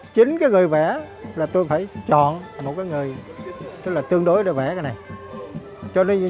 chính cái người vẽ là tôi phải chọn một cái người tương đối để vẽ cái này